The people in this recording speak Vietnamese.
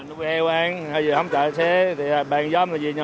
núi heo ăn hay là không chạy xe thì bạn dâm về nhà nuôi heo